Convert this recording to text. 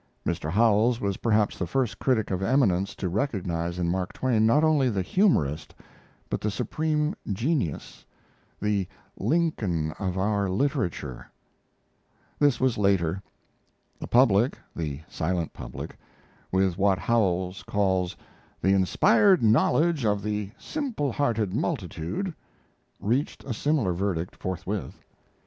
Mr. Howells was perhaps the first critic of eminence to recognize in Mark Twain not only the humorist, but the supreme genius the "Lincoln of our literature." This was later. The public the silent public with what Howells calls "the inspired knowledge of the simple hearted multitude," reached a similar verdict forthwith.